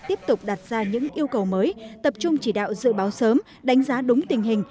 tiếp tục đặt ra những yêu cầu mới tập trung chỉ đạo dự báo sớm đánh giá đúng tình hình